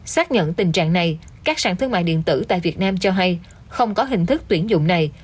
xác nhận tình trạng này các sản thương mại điện tử tại việt nam cho hay không có hình thức tuyển dụng này